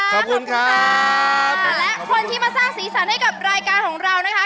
ขอบคุณครับค่ะและคนที่มาสร้างสีสันให้กับรายการของเรานะคะ